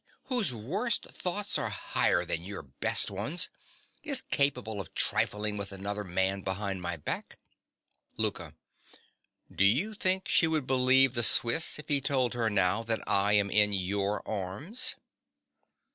whose worst thoughts are higher than your best ones, is capable of trifling with another man behind my back? LOUKA. Do you think she would believe the Swiss if he told her now that I am in your arms?